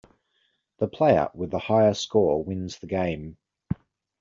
The player with the higher score wins the game.